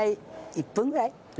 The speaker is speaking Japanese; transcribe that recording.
１分ぐらい。